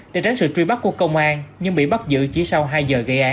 để tránh sự truy bắt của công an nhưng bị bắt giữ chỉ sau hai giờ gây án